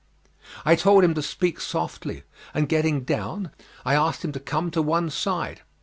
I told him to speak softly, and getting down I asked him to come to one side.